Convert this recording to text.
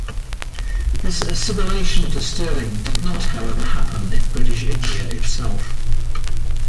This assimilation to sterling did not, however, happen in British India itself.